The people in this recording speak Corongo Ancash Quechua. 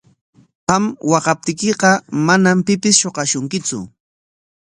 Qam waqaptiykiqa manam pipis shuqashunkitsu.